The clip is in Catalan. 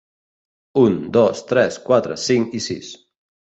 Un, dos, tres, quatre, cinc i sis.